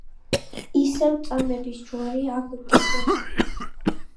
ისევ წამების ჯვარი აგკიდეს